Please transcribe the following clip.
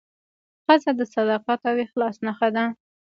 ښځه د صداقت او اخلاص نښه ده.